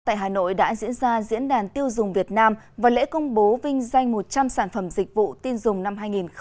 tại hà nội đã diễn ra diễn đàn tiêu dùng việt nam và lễ công bố vinh danh một trăm linh sản phẩm dịch vụ tin dùng năm hai nghìn hai mươi